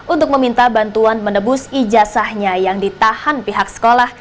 untuk meminta bantuan menebus ijazahnya yang ditahan pihak sekolah